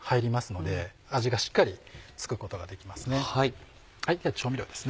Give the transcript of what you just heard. では調味料ですね。